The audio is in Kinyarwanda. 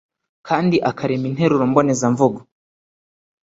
kandi akarema interuro mboneza mvugo.